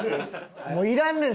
もういらんねん！